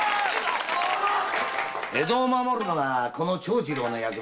江戸を守るのがこの長次郎の役目だ。